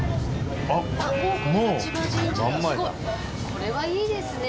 これはいいですね。